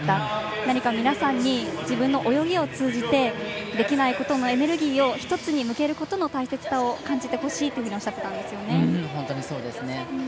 何か皆さんに自分の泳ぎを通じてできないことのエネルギーを１つに向けることの大切さを感じてほしいと本当にそうですね。